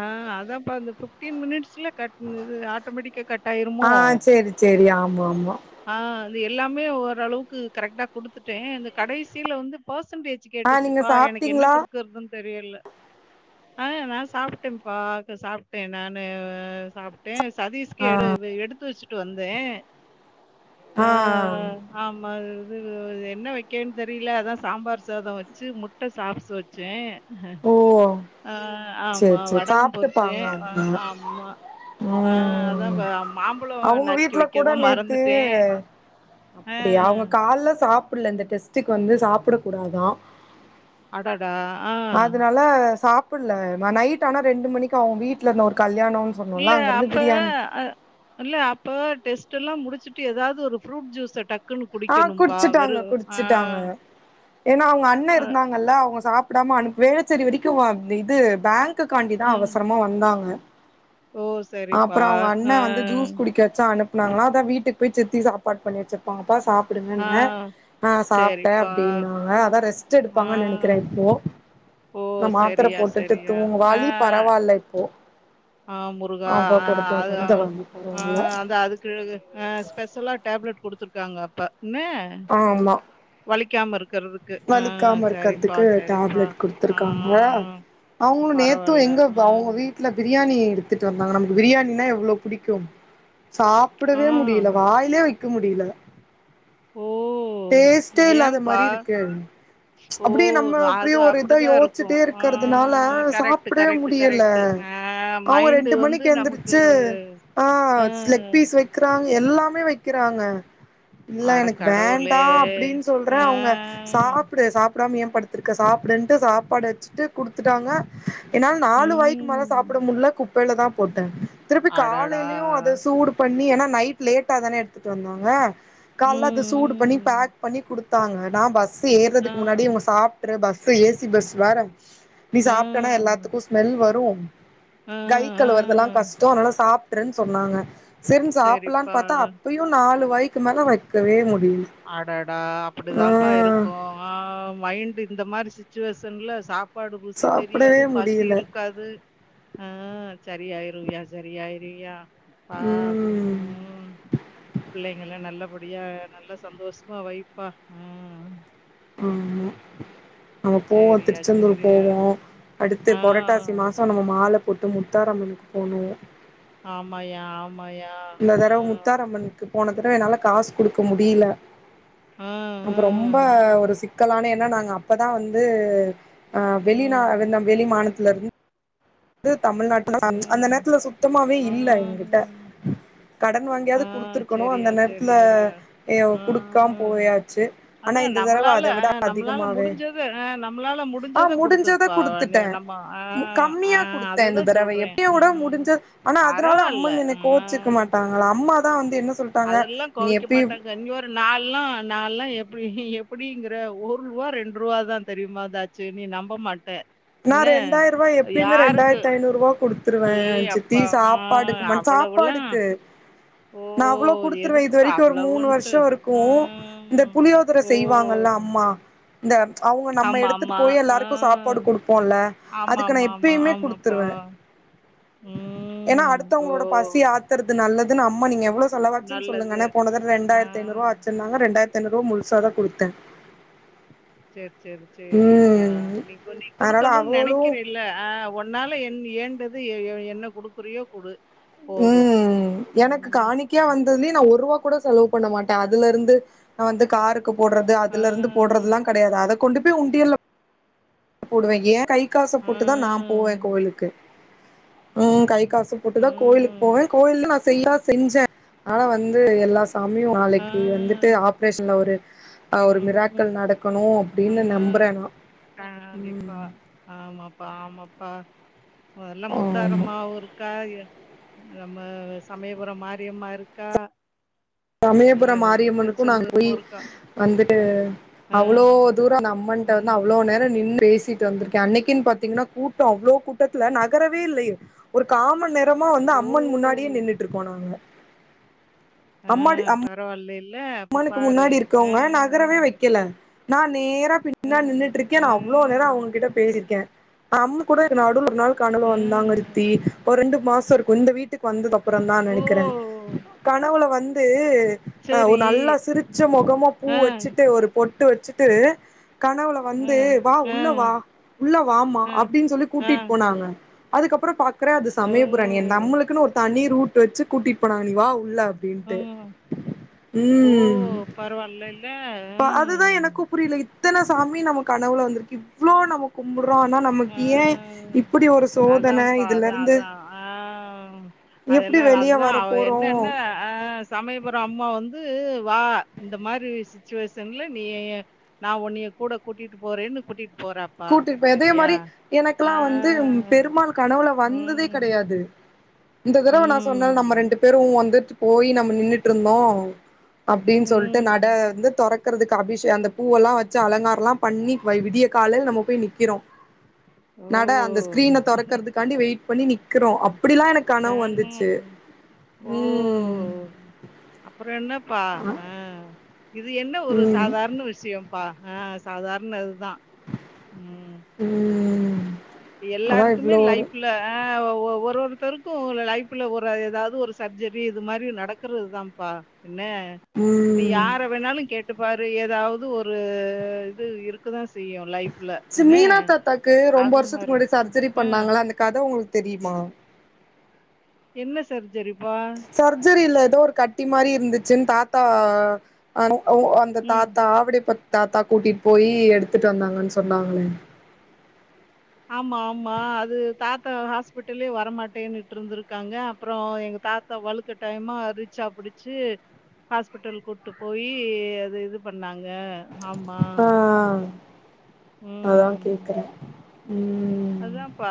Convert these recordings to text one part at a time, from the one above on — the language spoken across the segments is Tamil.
ஆ அதான்ப்ப அந்த ஃபிஃப்டீன் மினிட்ஸ்ல கட் இது ஆட்டோமேட்டிக்கா கட் ஆயிருமோ செரி ஆமா ஆமா ஆ இது எல்லாமே ஓர அளவுக்கு கரெக்ட்டா குடுத்துட்டே இந்த கடைசியில வந்து பர்சன்டேஜ் சு ஆ நீங்க கேட்டுச்சுப்பா எனக்கு என்ன சாப்ட்டீங்களா குடுக்குறதுன் தெரியல அ நா சாப்ட்ட பா சாப்ட்ட நானு அ சதீஷ்கு ஆ எடு எடுத்து வச்சுட்டு வந்தே ஆ ஆமா இது என்ன வைக்கன் தெரியல அதா சாம்பார் சாத வச்சு முட் முட்ட சாப்ஸ் வச்ச ஓ ஆ ஆமா சேரி சேரி வடக பொருச்சே சாப்ட்டுப்பாங்க அவங்க ஆமா ஆ அதா ம் ப மாம்பழ அவங்க நறுக்கி வீட்ல கூட வைக்கதா நேத்து மறந்துட்டே அப்டியா அவங்க கால்ல சாப்பில இந்த டெஸ்ட்டுக்கு வந்து சாப்புட கூடாதா அடட் டா ஆ அதனால சாப்புல்ல நைட் ஆனா ரெண்டு மணிக்கு அவங்க வீட்ல இருந்த ஒரு கல்யாணொ இல்ல அப்ப அ இல்ல அப்ப டெஸ்ட் எல்லா முடிச்சுட்டு ஏதாது ஒரு ஃப்ரூட் ஜூஸ டக் ஆ குடிச்சுட்டாங்க குடிச்சுட்டாங்க ஏன்னா அவங்க அண்ண அ இருந்தாங்கல்ல அவங்க சாப் அப்படாமா அனுக்கு வேலச்சரி வரைக்கு அந்த இது பேங்க் காண்டிதா ம். அவசரமா வந்தாங்க ஓ! அப்பற சரிப்பா. அவங்க அண்ண ஆ. வந்து ஜூஸ் குடிக்க சு அனுப்புனாங்கனா அத வீட்டுக்கு போய் சித்தி சாப்பாடு பண்ணி வச்சிருப்பாங்கப்பா சாப் ஆ. புடுங்கன்ன ஆ சாப்ட்டே சரிப்பா. அப்டின்னாங்க அதா ரெஸ்ட்டு ஆ. எடுப்பாங்கன் நெனைக்கிறே இப்போ ஓ நா மாத்திர செரியா போட்டுட்டு செரியா தூங்கு ஆ வலி பரவால்ல இப்போ ஆ முருகா அப்ப ஆ கொடுத்தாங்க அதுதா இந்த வலி ஆ பரவால்ல அந்த அதுக் கிழ் ஆ ஸ்பெஷலா டேப்லெட் குடுத்துருக்காங்க அப்ப என்ன ஆமா வலிக்காம இருக்கறதுக் வலிக்காம இருக்கறதுக்கு டேப்லெட் ஆ குடுத்துருக்காங்ளா அவுங்களு நேத்து பரவால்ல. எங்க ம். அவுங்க வீட் வீட்ல பிரியாணி எடுத்துட்டு வந்தாங்க நமக்கு பிரியாணினா எவ்ளோ புடிக்கு சாப் ஆ. ப்டவே முடில வாய்லே வெக்க முடில ஓ! டேஸ்டே இல்லாத ஏம்பா? மாரி இருக்கு ஓ! அப்டியே நம்ம அப்டியே அது ஒரு இதா அப்படிதான் இருக்கும். யோச்சுட்டே ஆ இருக்கறதுனால கரெக்ட், சாப்டவே கரெக்ட், முடியல கரெக்ட். ஆ அவுங்க மைண்ட் ரெண்டு வந்து மணிக்கு நமக்கு எந்திரிச்சு ஆ அ ஸ் லெக் பீஸ் வெக் றாங் எல்லாமே வெக்கிறாங்க இல்ல அட எனக்கு கடவுளே! வேண்டா அப்டின் சொல்றே ஆ. அவுங்க புடு சாப்டாம ஏ படுத்திருக்க சாப்புடுன்டு சாப்பாடு வெச்சுட்டு குடுத் த்துட்டாங்க என்னால நாலு வாய்க்கு மேல ம். சாப்பட முட்ல குப்பைலதா போட்டே திருப்பி அடடா! காலேலயு அத சூடு பண்ணி எனா நைட் லேட்டாதான எடுத்துட்டு வந்தாங்க ம், கால்ல அத சூடு பண்ணி ம். பேக் பண்ணி குடுத்தாங்க நா பஸ்ஸு ஆ. ஏறதுக்கு முன்னாடி இவுங்க சாப்ட்று பஸ் ஏசி பஸ் வேற நீ ஆ. சாப்ட்டனா எல்லாத்துக்கு ஸ் ஸ்மெல் வரு ஆ, கை ஆ. கழுவறதுலா கஷ்டோ அத்னால சாப்ட்றுன் சொன்னாங்க சேரின் சாப்புல்லான் சரிப்பா. பாத்தா அப்பையு நாலு வாய்க்கு மேல வெக்கவே முடில ஆடாடா அப்புடிதாப்பா இருக்கும் ஆ மைண்டு இந்த மாரி சுச்சுவேஷன்ல சாப் பாடு ருசி சாப்டவே தெரியாது பசி முடியல இருக்காது ஆ செரியாய்ருயா செரியாய்ருவயா ஆ ம் ம் பிள்ளைங்கள்லா நல்லபடியா நல்ல சந்தோஷமா வைப்பா ம் ம் நாங்க போவோ சரியா, திருச்செந்தூர் சரியா. போவோ அடுத்து ஆ புரட்டாசி மாசோ நம்ம மால போட்டு முத்தாரம்பனுக்கு போனு ஆமாயா ஆமாயா இந்த தடவ முத்தாரம்மனுக்கு போன தடவ என்னால காசு குடுக்க முடியில ஆ, அப்ப ஆ. ரொம்ப ஒரு சிக்கலான என்ன நாங்க அப்பதா வந்து ஆ வெளிநா ம், வெளி மாநத்துல இருந் து தமிழ்நாட்ல அந்த ம். நேரத்துல சுத்தமாவே ஆ. இல்ல எகிட்ட கடன் ஆ வாங்கியாது குடுத்துருக்கணு அந்த சரியா, நேரத்துல சரியா. எ குடுக்காம் ஆ. போயாச்சு ஆனா அதான் இந்த தடவ நம்மளால அதவிட நம்மளால அதிகமாவே முடிஞ்சது அ நம்மளால ஆ முடிஞ்சத முடிஞ்ச குடுத்துருப்பா. நீ குடுத்துட்டே நம்ம ஆ, ஆ கம்மியா குடுத்த இந்த அததான் தடவை சொல்றேன். எப் கூட ம். முடிஞ்சு ஆனா அதனால பரவால்ல. அம்மன் என்னை ஆ. கோச்சிக்க மாட்டாங் ளோட அம்மாதா வந்து என்ன சொல்ட்டாங்க அதெல்லா நீ கோவிக்க எப்பயு மாட்டாங்க இன்னோ நாலா நாலா எப்டி எப்புடிங்குற ஒருரூவா ரெண்டு ரூவாதா தெரியுமா செரி நீ நம்ப மாட்ட நா என்ன ரெண்டாய் ரூபா எப்பியுமே யாருக்கு ரெண்டாய்ர்த்தி ஐநூ ரூபா குடுத்துருவே‌ ஏ சித்தி அப்பா! ஆ சாப்பாடுக்கு மட் அவ்வளவுலாம் சாப்பாடுக்கு ஓ! நா அவ்ளோ குடுத்துருவ இது எதுக்குப்பா வரைக்கு ஒரு மூணு அவ்வளவுன்ட்டு. வருஷொ இருக்கு இந்த ம். புளியோ [unintelligible] ஓ! செய்வாங்கல்லா அம்மா இந்த அவுங்க நம்ம ஆமா, எடுத்துட்டு ஆமா. போய் எல்லாருக்கு ஆ. சாப்பாடு குடு ல ஆமா அதுக்கு நா ஆமா ஆமா எப்பியுமே ஆமாப்பா. குடுத்துருவே ம் எனா ஓ! அடுத்தோங்களோட பசி ஆத்துறது நல்லதுன்னு அம்மா நீங்க எவ்ளோ செலவாச்சுன் நல்லது. சொல்லுங்க போனதட் ஆ. ரெண்டாய்ர்த்தி ஐநூருவா ஆச்சுன்னாங்க ரெண்டாய்ர்த்தி ஐநூருவா முழுசாதா குடுத்த சேர் சேர் சேரிப்பா ம் நீங்க நீ அதனால குடுக்கணுன் அவளு நெனைக்கிறீ இல்ல ஆ உன்னால என் ஏண்டது எ என்ன குடுக்குறியோ குடு போதும். ம் எனக்கு ம். காணிக் கியா வந்ததுலயூ நா ஒருவா கூட செலவு பண்ண மாட்டே அதுல இருந்து நா வந்து கார் போட்றது ஆ. அதுலருந்து போட்றதுலா கடையாது அத கொண்டு போய் உண்டியல்ல போடுவ ஏ கை காச ஆ. போட்டுதா நா போவே கோயிலுக்கு ம் கை காசு ஒட்டுக்கா கோயிலுக் ம். போவ கோயில நா செய்யா செஞ்ச அனா வந்து எல்லா சாமியு ஆ. நாளைக்கு வந்துட்டு ஆப்ரேஷன்ல ஒரு ஒரு ம். மிராக்கல் நடக்கணு அப்டினு நம்புறே நா ஆ அப்டிப்பா ம் ஆமாப்பா ஆமாப்பா மொதல்ல ஆமா முத்தாரம்மாவு இருக் காதிரன் நம்ம சமயபுரொ மாரியம்மா இருக்கா சமயபுர எல்லா மாரியம்மனுக்கு நாங்க திருச்செந்தூரும் போய் இருக்கா? வந்துட்டு ஆ, அவ்ளோ தூரொ அந்த அம்மன்ட்ட வந்து ம். அவ்ளோ நேர நின் பேசிட்டு வந்திருக்க அன்னைக்குன் பாத்து ன்னா கூட்டொ அவ்ளோ கூட்டத்துல நகரவே இல்லயே ஒரு காமண் நேரமா வந்து ஓ! அம்மன் முன்னாடியே நின்னுட் இருப்போ நாங்க அம்மாடி அம் பரவால்லைல அம்மனுக்கு முன்னாடி இருக்கவங்க நகரவே வெக்கல நா நேர பின்னாடி ம், நின்னுட்ருக்கே நா அவ்ளோ நேரோ ம், அவங்ககிட்ட பேசிருக்கே அம்மு கூட நடுல ஒரு நாள் கனவுல வந்தாங்க ரித்தி ம். ஒரு ரெண்டு மாசொ இருக்கு இந்த வீட்டு ட்டுக் வந்தக்கப்றொந்தா ஓ! நெனைக்கிறே கனவுல வந்து அ சரி. ஒரு நல்லா சிரிச்ச முகமா பூ ஆ, வச்சுட்டு ஒரு பொட்டு வச்சுட்டு கனவுள ஆ, வந்து வா ஆ, உள்ள வா உள்ள வாம்மா ஆ, அப்டின் சொல்லி ஆ. கூட்டிட் போனாங்க அதுக்கப்றொ பாக் க்ற அது ஓ! சமயபுற நீ என் நம்மளுக்குன் ஒரு தனி ரூட் வெச்சு கூட்டிட் போனாங்க நீ வா உள்ள அப் ம் ஓ பரவால்ல இல்ல பா அதுதா எனக்கு புரில இத்தன சாமி நம்ம கனவுல வந்திருக்கு இவ்ளோ நமக் கும்படுறோ அனா நமக்கு ஆ. ஏ ஆ. இப்படி ஒரு சோதன அதான்ப்பா அதான் இதுலருந்து அதான் ஆ எப்படி வெளிய வர போறோ அ சமயபுற அம்மா வந்து வா இந்த மாரி சிச்சுவேஷன்ல நீ நா உன்னிய கூட கூட்டிட்டு போறேன்னு கூட்டிட்டு போறாப்பா சரியா? வெதையமாரி ஆ எனக்கலா வந்து பெருமாள் கனவுல வந்ததே ம் கெடையாது இந்த தடவ நா ம் சொன்னல் நம்ம ரெண்டு பேரு வந்துட் போய் நம்ம நின்னுட்ருந்தோ அப்டின் சொல்ட்டு ம் நட வந்து தொரக் க்கிறதுக் அபிஷே அந்த பூவெல்லா வெச்சு அலங்காரலா பண்ணி வை விடிய காலைல நம்ம போய் நிக்கிறோ ஓ! நட அந்த ஸ்கிரீன தொறக்கறதுக்காண்டி வெயிட் பண்ணி நிக்கறோ அப்படில்லா எனக் ஆ கணவு வந்துச்சு ஓ ம் அப்புற என்னப்பா ஆ இது என்ன ஒரு ம் சாதாரண விஷயம்ப்பா ஆ சாதாரண அதுதா ம் ம் அதா எல்லாருக்குமே இவ்ளோ ஒரு லைப்பி ல ஆ ஒ ஒருத்தருக்கு லைஃப்புல ஒரு எதாவது ஒரு சப்ஜரி இது மாரி நடக் குறதுதாம்ப்பா என்ன நீ ம் யார வேணாலு கேட் டு பாரு எதாவது ஒரு இது இருக்கதா செய்யு லைஃப் ச மீனா தாத்தாக்கு ரொம்ப வருஷத்துக்கு மாரி. முன்னாடி சர்ஜரி ஆ. பண்ணாங்கள அந்த கத உங்களுக் தெரியுமா என்ன சர்ஜரிப்பா சர்ஜரியில்ல எதோ ஒரு கட்டி மாரி இருந்துச்சுன் தாத்தா அன ஓ அன் அந்த ம். தாத்தா ஆவடிப்பா தாத்தா கூட்டிட் போய் எடுத்துட்டு வந்தாங்கன் சொன்னாங்களே ஆமா ஆமா அது தாத்தா ஹாஸ்பிட்டலயே வரமாட்டேன்ட்ருந்திருக்காங்க அப்புறோ எங்க தாத்தா வலுக் ருக்க டைமா ரிச்சா புடுச்சி ஹாஸ்பிட்டல் கூட்டு போயி அது இது பண்ணாங்க ஆமா ஆ அதா ம். கேட்கறே ம் அதாப்பா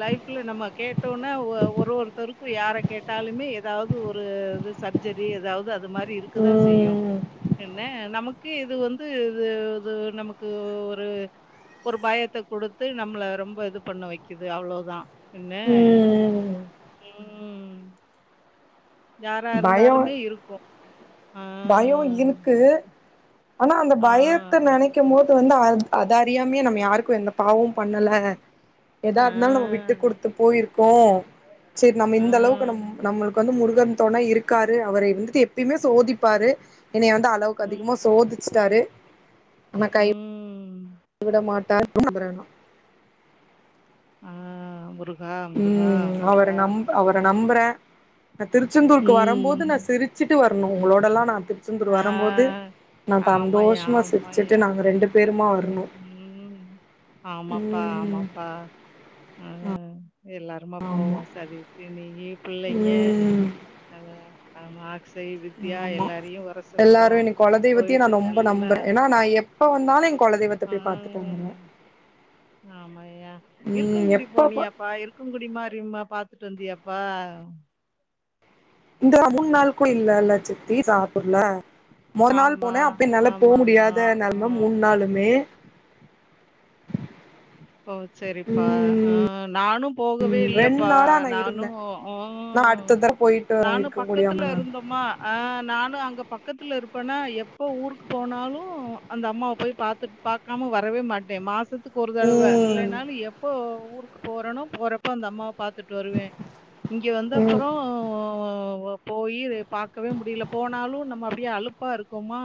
லைப்ல நம்ம கேட்டோன்னா ஒ ஒரு ஒருத்தருக்கு யார கேட் டாலுமே எதாவது ஒரு இது சர்ஜரி எதாவது அது மாரி இருக்கதா செய்யு ம் என்ன நமக்கு இது வந்து இது இது நமக்கு ஒரு ஒரு பயத்த கொடுத்து நம்மள ரொம்ப இது பண்ண வைக்குது அவ்ளோதா என்ன ம் ம் யாரா பயோ இருந்தாலுமே இருக்கு ஆ பயோ இருக்கு ஆனா அந்த ஆ, பயத்த நெனை க்கும் போது வந்து அ அது அறியாமிமே நம்ம யாருக்கு எந்த பாவம் பண்ணல எதா ஆ, இருந்தாலு நம்ம விட் டு கொடுத்து போயிருக்கோ சோ நம்ம ஆ, இந்த அளவுக்கு நம் நம்மளுக்கு வந்து முருகன் தொணை இருக்காரு அவர வந்துட்டு எப்பையுமே சோதி ப்பாரு என்னைய வந்து அளவுக்கு ம், அதிகமா சோதிச்சிட்டாரு ஆனா கை ம். மாட்டாருன் நம்புற நா ஆ முரு ம் அவர நம் அவர நம்பறே நா திருச்செந்தூருக்கு வரும்போது ம். நா சிரிச்சுட்டு வரணு உங்களோட எல்லா நா திருச்செந்தூர் ஆ வரும்போது நா ஆமாயா தந்தோஷமா சிரிச்சுட்டு ஆமாயா நாங்க ரெண்டு பேருமா வரு ம் ஆமாப்பா ம் ஆமாப்பா ம் எல்லா ஆமா போவோ சதீஷ்சு நீயி பிள்ளைங்க ம் அதா ஆமா அக்ஷய் வித்யா ஆமா எல்லாரையு வர எல்லாரு சொல்லுவோ இன்னக் கொலதெய்வத்தையு நா போயிட்டு ரொம்ப நல்லா நம்புறே ஏன்னா நா எப்ப வந்தாலு கொலதெய்வத்த ஆ போய் பாத்துட்டு வந்துருவே ஆமாயா ம் இருக்கங்குடி எப்ப பா போனியாப்பா இரு க்கங்குடி மாரியம்மா பாத்துட்டு வந்தியாப்பா இந்த மூன் நாளுக்கு இல்ல இல்ல சித்தி சாப்பல்லா மொர நாள் ஆமா போனே அப்ப என்னால போ ஆமாமா முடியாத ஆ நெலம மூன் நாளுமே ஓ செரிப்பா ஆ ம் நானு போகவே ரெண்டு இல்லப்பா நாளா நா நானு இருந்தே நா அடுத்த ம் தடவ போயிட்டு நானு இருக்க பக்கத்துல முடியாமனா இருந்தோமா ஆ நானு அங்க பக்கத்தில இருப்பன்னா எப்போ ஊருக்கு போனாலு அந்த அம்மாவ போய் பாத்துட் பாக்காம வரவே மாட்டே மாசத்துக் தடவ ம் இல்லைனாலு எப்போ ஊருக்கு போறனோ போறப்போ அந்த அம்மா பாத் துட்டு வருவே இங்க வந்து ம் அப்புறோ ஓ போயி பாக்கவே முடியல போனாலு நம்ம அப்டியே அலுப்பா இருக்கோமா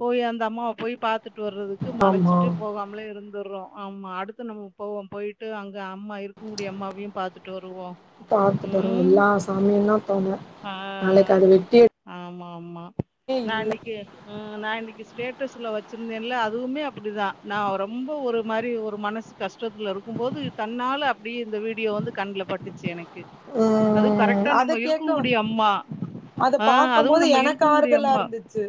போய் அந்த அம்மாவ போய் பாத்துட்டு வர்றதுக்கு ஆமா மலச்சிட்டு போகாமலே இருந்துர்றோ ஆமா அடுத்து நம்ம போவோம் போயிட்டு அங்க அம்மா இருக்கங்குடி அம்மாவையு பாத்துட்டு வருவோ பாத்துட்டு வருவோ ம் எல்லா சாமியுந்தா தொண ஆ நாளைக்கு அத வெட்டி ஆமா ஆமா எடுக்கவே நா இல்ல இன்னைக்கு ம் நா இன்னைக்கு ஸ்டேட்டஸ்ல வச்சிருந்தேன்ல அதுவுமே அப்டிதா நா ரொம்ப ஒரு மாரி ஒரு மனசு கஷ்டத்துல இருக்கும் போது தன்னால அப்டியே இந்த வீடியோ வந்து கண்ல பட்டுச்சு எனக்கு அதுவு ம் கரெக்டா அத நம்ம கேக்க இருக்கன்குடி அம்மா அத ஆ பாக்கும் அதுவு போது நம்ம எனக்கு இருக்கன்குடி ஆறுதலா அம்மா இருந்துச்சு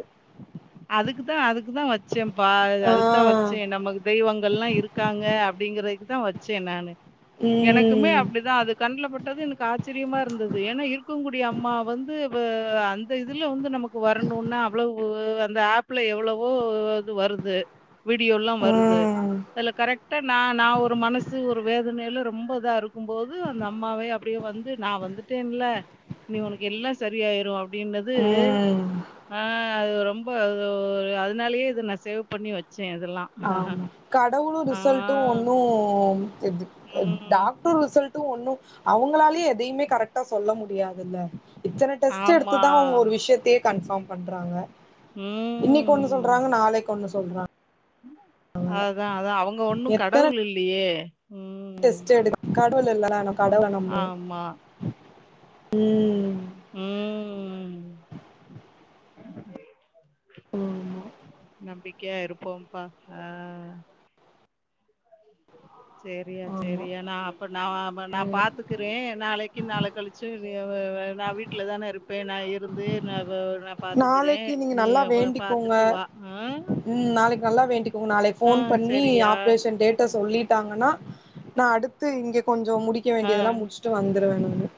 அதுக்கு தா அதுக்கு தா வச்சேம்பா ஆ அதுக்கு தா வச்சே நம்ம தெய்வங் கெல்லா இருக்காங்க அப்டிங்கிறக்கு தா வச்சே நானு எனக்குமே ம் அப்டிதா அது கண்லபட்டது எனக்கு ஆச்சரியமா இருந்தது ஏனா இருக்கங்குடி அம்மா வந்து வ அந்த இதுல வந்து நமக் வரணுனா அவ்வளவு அந்த ஆப்ல எவ்வளவோ அது வருது வீடியோல்லா வருது ம் அதுல கரெக்டா நா நா ஒரு மனசு ஒரு வேதனையில ரொம்ப இதா இருக்கும் போது அந்த அம்மாவே அப் அப்டியே வந்து நா வந்துட்டேன்ல்ல இனி உனக்கு எல்லா சரியாயிரு அப்டின்னது ம் ஆ அது ரொம்ப அது அதுனாலே இத நா சேவ் பண்ணி வச்சே இதெல்லா ஆமா கடவுளு ரிசல்டு ஒன்னு இது ம். டாக் டு ரிசல்ட்டு ஒன்னு அவங்களாலே எதையுமே கரெக்டா சொல்ல முடியாதுல்ல இத்தன டெஸ்ட் ஆமா. எடுத்துதா அவுங்க ஒரு விஷ்யத்தையே கன்ஃபார்ம் பண்றாங்க ம் இன்னைக்கு ஒன்னு சொல்றாங்க நாளைக்கு ஒன்னு சொல்றாங்க அதா அதா அவங்க ஒன்னு எத்தன கடவுள் இல்லையே ம் டெஸ்ட் எடுக் கடவுள் இல்லல நம் கடவுள நம்புவோ ஆமா. ம் ம் ஆமா நம்பிக்கையா இருப்போம்ப்பா அ செரியா ஆமா செரியா நா இப்ப நா வ நா பாத்துக்குறே நாளைக் நாள கழிச்சு வ வ வ நா வீட் வீட்ல தான இருப்பே நா இருந்து நா வ நான் பாத்துக்கிறேன். நாளைக்கி நீங்க நீ நல்லா வ வேண்டிக்கோங்க பாத்துட்டு வா. ஆ. ம் நாளைக்கு நல்லா வேண்டிக்கோங்க நாளைக் ஆ ஃபோன் பண்ணி சரியா. ஆப்ரேஷன் டேட்ட சொல்லிட் டாங்கன்னா நா அடுத்து இங்க கொஞ்சோ முடிக்க ஆ. வேண்டியதெல்லா முட்ச்சுட்டு வந்துருவே நானு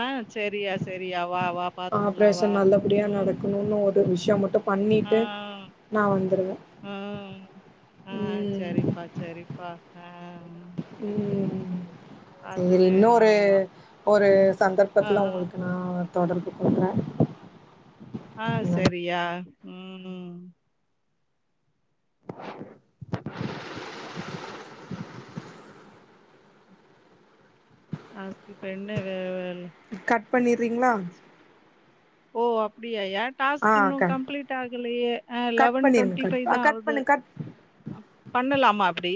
ஆ சரியா சரியா வா வா பாத்துக்கலாம் வா. ஆப்ரேஷன் நல்லபடியா ம். நடக்கணுனு விஷ்யோ மட்டு ஆ. பண்ணிட்டு நா வந்துருவே ம் பா சரிப்பா அ ம் சரி இன்னொரு ஆமா. ஒரு ஆ, சந்தர்ப்பத்துல உங்ளுக்கு நா தொடர்பு கொள்றே ஆ ம் சரியா ம் அதுக்கு இப்ப என்ன வே வேல கட் பண்ணிறீங்ளா ஓ அப்டியா யான் ஆ டாஸ்க் இன்னு கட் கம்ப்ளீட் ஆகலையே ஆ கட் லெவன் பண்ணிருங்க ட்வெண்ட்டி ஃபைவ் கட் தா கட் ஆவுது பண்ணு கட் பண்ணலாமா அப்டி